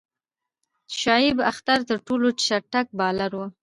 شعیب اختر تر ټولو چټک بالر وو.